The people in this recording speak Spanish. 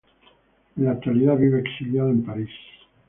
En la actualidad vive exiliado en París.